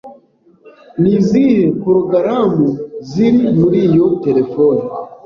Ni izihe porogaramu ziri muri iyo terefone